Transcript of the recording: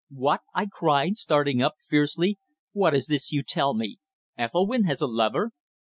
"What!" I cried, starting up, fiercely. "What is this you tell me? Ethelwynn has a lover?"